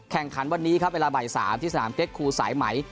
แข่งขันวันนี้ครับเวลาบ่าย๓ที่สนามเก็ตครูสายไหม